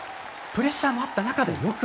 プレッシャーもあった中で。